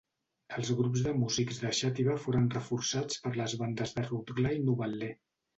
Els grups de músics de Xàtiva foren reforçats per les bandes de Rotglà i Novetlè.